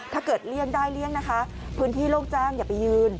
ถ้าเกิดได้เรียกนะคะพื้นที่โลกจ้างอย่าไปยืน